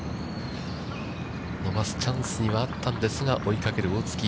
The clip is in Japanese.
伸ばすチャンスにはあったんですが、追いかける大槻。